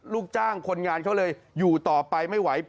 ลูกจ้างคนงานเขาเลยอยู่ต่อไปไม่ไหว